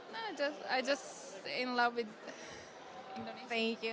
saya sangat suka dengan budaya indonesia